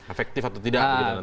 efektif atau tidak